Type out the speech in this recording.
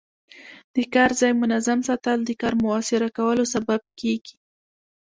د کار ځای منظم ساتل د کار موثره کولو سبب کېږي.